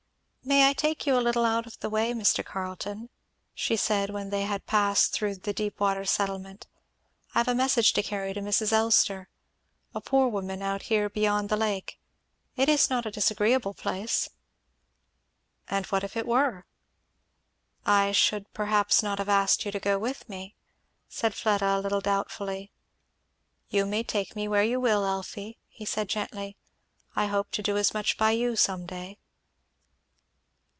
"May I take you a little out of the way, Mr. Carleton?" she said when they had passed through the Deepwater settlement. "I have a message to carry to Mrs. Elster a poor woman out here beyond the lake. It is not a disagreeable place." "And what if it were?" "I should not perhaps have asked you to go with me," said Fleda a little doubtfully. "You may take me where you will, Elfie," he said gently. "I hope to do as much by you some day."